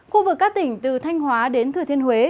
khu vực các tỉnh từ thanh hóa đến thừa thiên huế